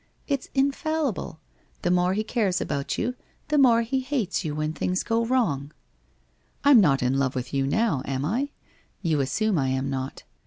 ' It's infallible. The more he cares about you, the more he hates you when things go wrong?' ' I'm not in love with you now, am I ? You assume I am not.